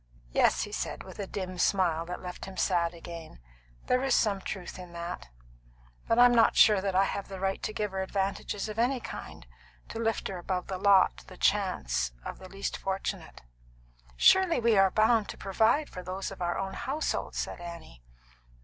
"Yes," he said, with a dim smile that left him sad again, "there is some truth in that. But I'm not sure that I have the right to give her advantages of any kind, to lift her above the lot, the chance, of the least fortunate " "Surely, we are bound to provide for those of our own household," said Annie.